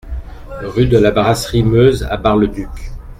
Rue de la Brasserie Meuse à Bar-le-Duc